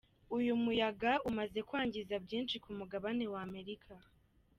Uyu muyaga umaze kwagiza byinshi ku mugabane w’ Amerika.